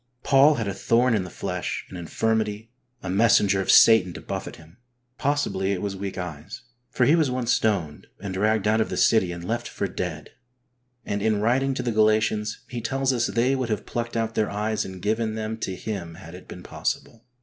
Paul had a thorn in the flesh, an infirmity, a messenger of Satan to buffet him. Possibly it was weak eyes, for he was once stoned and dragged out of the city and left for dead, and in writing to the Galatians, he tells us they would have plucked out their eyes and given them to him had it been possible.